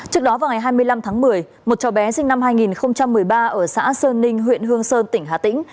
trước đó vào ngày hai mươi năm tháng một mươi một cháu bé sinh năm hai nghìn một mươi ba ở xã sơn ninh huyện hương sơn tỉnh hà tĩnh